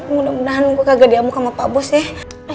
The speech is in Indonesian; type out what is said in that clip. mudah mudahan gue kagak diamu sama pak bos ya